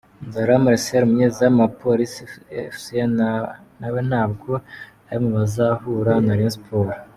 Nzarora Marcel umunyezamu wa Police Fc nawe ntabwo ari mu bazahura na Rayon Sports.